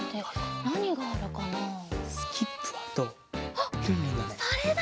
あっそれだ！